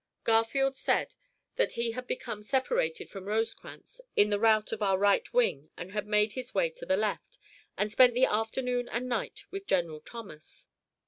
Garfield said that he had become separated from Rosecrans in the rout of our right wing and had made his way to the left, and spent the afternoon and night with General Thomas.